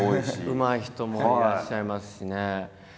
うまい人もいらっしゃいますしね。